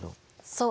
そう。